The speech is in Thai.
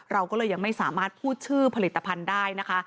เราก็เลยยังไม่สามารถพูดชื่อผลิตภัณฑ์ได้นะคะ